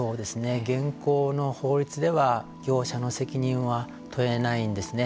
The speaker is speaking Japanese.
現行の法律では業者の責任は問えないんですね。